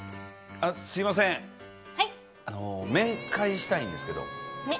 あっ、すみません、面会したいんですけど。